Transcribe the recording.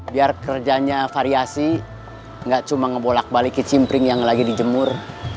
biar kerjanya variasi nggak cuma ngebolak balikin cimpring yang lagi dijemur